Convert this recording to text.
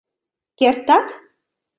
Кертат?